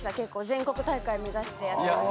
全国大会目指してやってました。